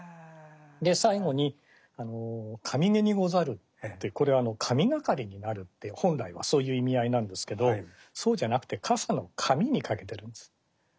最後に「かみげに御座る」というこれ神がかりになるって本来はそういう意味合いなんですけどそうじゃなくて傘の紙に掛けてるんです。